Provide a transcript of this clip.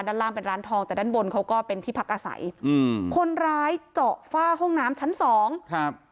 ด้านล่างเป็นร้านทองแต่ด้านบนเขาก็เป็นที่พักอาศัยอืมคนร้ายเจาะฝ้าห้องน้ำชั้นสองครับ